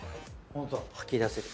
吐き出せる。